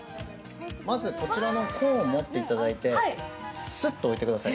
まず、こちらのコーンを持っていただいてスッと置いてください。